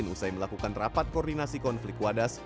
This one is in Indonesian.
usai melakukan rapat koordinasi konflik wadas